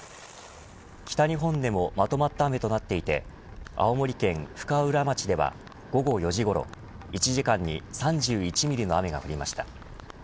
北日本でもまとまった雨となっていって青森県深浦町では午後４時ごろ１時間に３１ミリの雨が降りました。